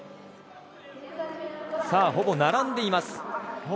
ほぼ並んでいます。